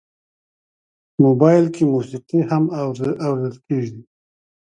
موبایل کې موسیقي هم اورېدل کېږي.